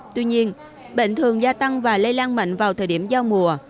tuy nhiên bệnh thường gia tăng và lây lan mạnh vào thời điểm giao mùa